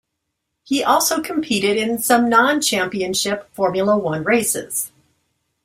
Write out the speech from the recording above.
He also competed in some non-Championship Formula One races.